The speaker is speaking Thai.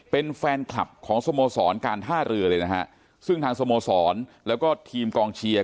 เป็นแฟนคลับของสโมสรการท่าเรือเลยนะฮะซึ่งทางสโมสรแล้วก็ทีมกองเชียร์